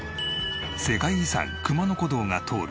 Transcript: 世界遺産熊野古道が通る